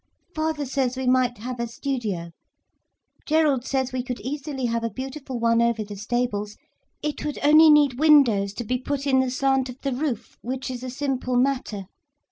"Father says we might have a studio. Gerald says we could easily have a beautiful one over the stables, it would only need windows to be put in the slant of the roof, which is a simple matter.